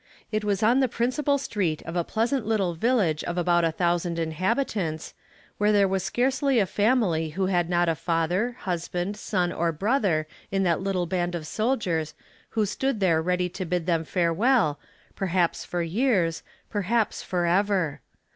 It was on the principal street of a pleasant little village of about a thousand inhabitants, where there was scarcely a family who had not a father, husband, son, or brother in that little band of soldiers who stood there ready to bid them farewell, perhaps for years perhaps forever.